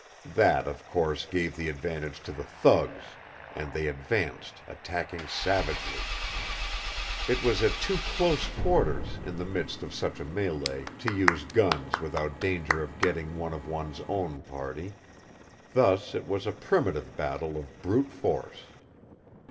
That, of course, gave the advantage to the thugs, and they advanced, attacking savagely. It was at too close quarters, in the midst of such a mêlée, to use guns without danger of getting one of one's own party. Thus it was a primitive battle of brute force.